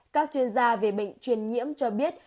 các chuyên gia về bệnh truyền nhiễm cho biết